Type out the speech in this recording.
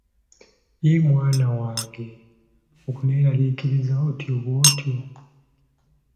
Yii mwana wange okuneerarikiriza otyo bw'otyo!